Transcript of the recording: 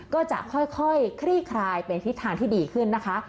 ก็จะค่อยคลี่คลายเป็นทิศทางที่ดีขึ้นนะคะ